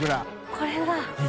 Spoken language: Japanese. これだ。